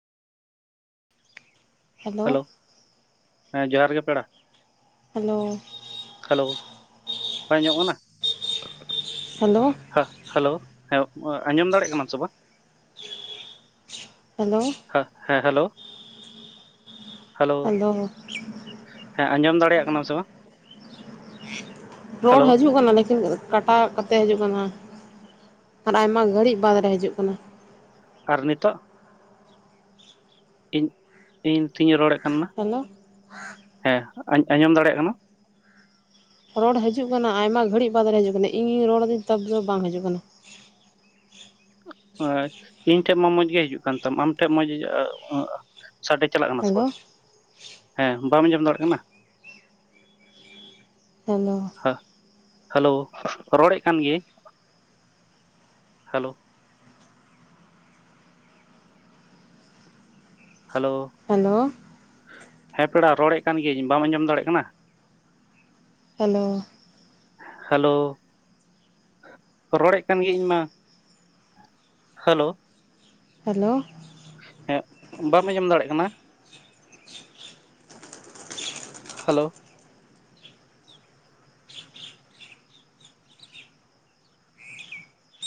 Hello, ᱦᱮᱸ ᱡᱚᱦᱟᱨ ᱜᱮ ᱯᱮᱲᱟ᱾ ᱦᱮᱞᱳ, ᱦᱮᱞᱳ, ᱵᱟᱝ ᱟᱸᱡᱚᱢᱚᱜ ᱠᱟᱱᱟ᱾ ᱦᱮᱞᱳ, ᱦᱟ ᱦᱮᱞᱳ ᱦᱮᱸ ᱟᱸᱡᱚᱢ ᱫᱟᱲᱮᱭᱟᱜ ᱠᱟᱱᱟᱢ ᱥᱮ ᱵᱟᱝ? ᱦᱮᱞᱳ, ᱦᱮᱸᱜ ᱦᱮᱸ ᱦᱮᱞᱳ, ᱾ [inaudible] ᱦᱮᱸ ᱟᱸᱡᱚᱢ ᱫᱟᱲᱮᱭᱟᱜ ᱠᱟᱱᱟᱢ ᱥᱮ ᱵᱟᱝ? ᱨᱚᱲ ᱦᱮᱞᱳ ᱦᱟᱹᱡᱩᱜ ᱠᱟᱱᱟ ᱞᱮᱠᱤᱱ ᱠᱟᱴ-ᱟᱜ ᱠᱟᱛᱮᱜ ᱦᱤᱡᱩᱜ ᱠᱟᱱᱟ ᱟᱨ ᱟᱭᱢᱟ ᱜᱷᱟᱹᱲᱤᱡ ᱵᱟᱸᱫᱽ ᱨᱮ ᱦᱤᱡᱩᱜ ᱠᱟᱱᱟ ᱾ ᱟᱨ ᱱᱤᱛᱚᱜ? ᱤᱧ ᱤᱧ ᱛᱩᱤᱧ ᱨᱚᱲᱮᱫ ᱠᱟᱱ ᱢᱟ ᱦᱮᱞᱳ ᱦᱮᱸ ᱟᱸᱡᱚᱢ ᱫᱟᱲᱮᱟᱜ ᱠᱟᱱᱟᱢ? ᱨᱚᱲ ᱦᱟᱹᱡᱩᱜ ᱠᱟᱱᱟ ᱟᱭᱢᱟ ᱜᱷᱟᱹᱲᱤᱜ ᱵᱟᱫᱽᱨᱮ ᱦᱤᱡᱩᱜ ᱠᱟᱱᱟ ᱤᱧ-ᱧᱤᱧ ᱨᱚᱲ ᱟᱹᱫᱤᱧ ᱛᱟᱵᱽ ᱫᱚ ᱵᱟᱝ ᱦᱤᱡᱩᱜ ᱠᱟᱱᱟ ᱾ ᱦ ᱤᱧ ᱴᱷᱮᱡ ᱢᱟ ᱢᱚᱸᱡᱽ ᱜᱮ ᱦᱤᱡᱩᱜ ᱠᱟᱱ ᱛᱟᱢ ᱟᱢᱴᱷᱮᱡ ᱢᱚᱸᱡᱽ ᱡᱟᱜ ᱥᱟᱰᱮ ᱪᱟᱞᱟᱜ ᱠᱟᱱᱟ ᱥᱮ ᱦᱮᱞᱳ ᱵᱟᱝ ᱦᱮᱸ ᱵᱟᱢ ᱟᱸᱡᱚᱢ ᱫᱟᱲᱮᱜ ᱠᱟᱱᱟ? ᱪᱮᱞᱳ ᱾ ᱦᱮᱞᱳ ᱨᱚᱲᱮᱜ ᱠᱟᱱ ᱜᱤᱭᱟᱹᱧ ᱾ Hello hello. ᱦᱟᱹᱞᱳ ᱾ ᱦᱮᱸ ᱯᱮᱲᱟ ᱨᱚᱲ ᱮᱫ ᱠᱟᱱ ᱜᱤᱭᱟᱹᱧ ᱵᱟᱢ ᱟᱧᱡᱚᱢ ᱫᱟᱲᱮᱜ ᱠᱟᱱᱟ? ᱦᱮᱞᱳ ᱾ ᱦᱮᱞᱳ ᱾ ᱨᱚᱲᱮᱫ ᱠᱟᱱ ᱜᱤᱭᱟᱹᱧ ᱤᱧ ᱢᱟ ᱾ Hello hello. ᱦᱮᱸ ᱵᱟᱢ ᱟᱧᱡᱚᱢ ᱫᱟᱲᱮᱜ ᱠᱟᱱᱟ? ᱦᱟᱹᱞᱳ ᱾